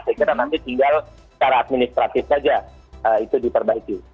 saya kira nanti tinggal secara administratif saja itu diperbaiki